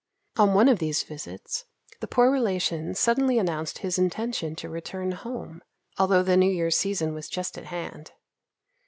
On one of these visits the poor relation suddenly announced his intention to return home, although the New Year's season was just at hand.